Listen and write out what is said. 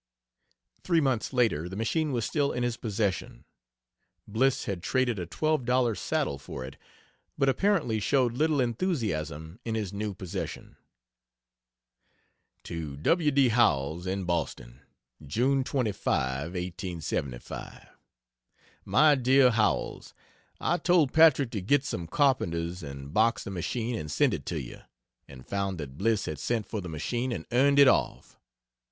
Three months later the machine was still in his possession. Bliss had traded a twelve dollar saddle for it, but apparently showed little enthusiasm in his new possession. To W. D. Howells, in Boston: June 25, 1875. MY DEAR HOWELLS, I told Patrick to get some carpenters and box the machine and send it to you and found that Bliss had sent for the machine and earned it off.